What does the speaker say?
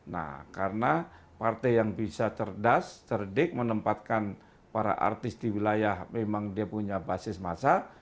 nah karena partai yang bisa cerdas cerdik menempatkan para artis di wilayah memang dia punya basis masa